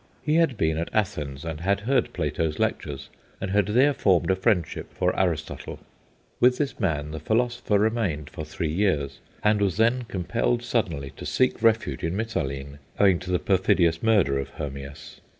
He had been at Athens and had heard Plato's lectures, and had there formed a friendship for Aristotle. With this man the philosopher remained for three years, and was then compelled suddenly to seek refuge in Mitylene, owing to the perfidious murder of Hermias.